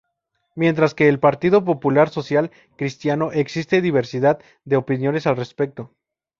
Mientras que en el Partido Popular Social Cristiano existe diversidad de opiniones al respecto.